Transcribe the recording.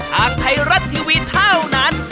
ทางไทยรัฐทีวีเท่านั้น